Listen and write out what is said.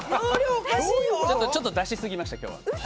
ちょっと出しすぎました。